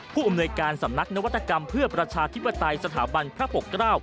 ผู้อำนวยการสำนักนวัตกรรมเพื่อประชาธิปไตยสถาบันพระปกเกล้า